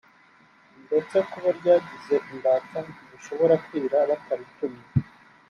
ndetse kubo ryagize imbata ntibushobora kwira bataritumuye